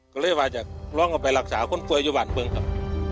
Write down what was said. ก็เลยจะลองไปรักษาคนกลัวอยู่หวานเบื้องพรรอบ